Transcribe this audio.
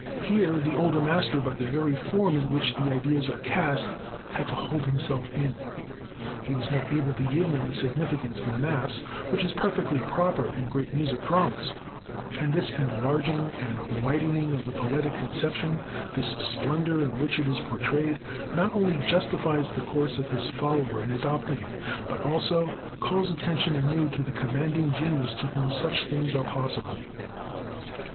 Here the older master, by the very form in which the ideas are cast, had to hold himself in. He was not able to give them the significance in the Mass, which is perfectly proper in great music dramas; and this enlarging and widening of the poetic conception, this splendor in which it is portrayed, not only justifies the course of his follower in adopting it, but also calls attention anew to the commanding genius to whom such things are possible.